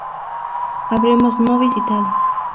Habremos no visitado